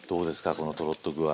このトロッと具合。